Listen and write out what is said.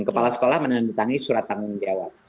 kepala sekolah menandatangani surat tanggung jawab